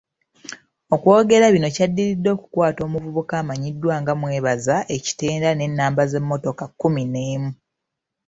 Okwogera bino kyadiridde okukwata omuvubuka amanyiddwa nga Mwebaza e Kitenda n'ennamba z'emmotoka kkumi n'emu.